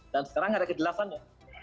dan sekarang ada kejelasannya